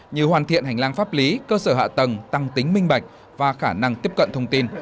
như hoàn thiện hành lang pháp lý cơ sở hạ tầng tăng tính minh bạch và khả năng tiếp cận thông tin